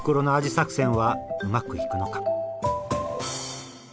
作戦はうまくいくのか？